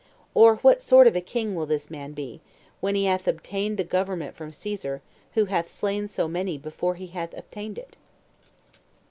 Or what sort of a king will this man be, when he hath obtained the government from Caesar, who hath slain so many before he hath obtained it!